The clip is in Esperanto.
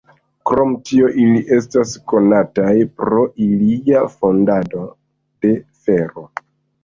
Krom tio ili estas konataj pro ilia fandado de fero.